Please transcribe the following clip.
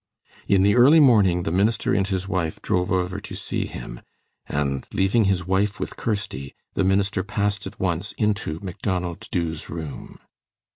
In the early morning the minister and his wife drove over to see him, and leaving his wife with Kirsty, the minister passed at once into Macdonald Dubh's room.